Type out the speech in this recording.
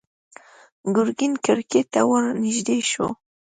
ګرګين کړکۍ ته ور نږدې شو.